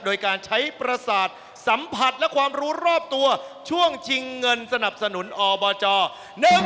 โดยการใช้ประสาทสัมผัสและความรู้รอบตัวช่วงชิงเงินสนับสนุนอบจ